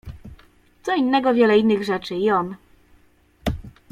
Co innego wiele innych rzeczy i on.